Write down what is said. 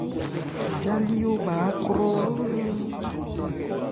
Jâlíwo bha ákrɔ áán.